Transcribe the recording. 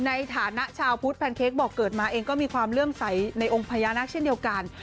ในฐานะชาวพุทธแพนเค้กบอกเกิดมาเองก็มีความเลื่อมใสในองค์พญานาคเช่นเดียวกัน